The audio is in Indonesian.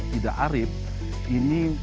tidak arip ini